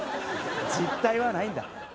実態はないんだ。